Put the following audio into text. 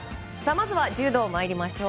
まずは柔道、参りましょう。